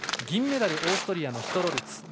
銀メダル、オーストリアのシュトロルツ。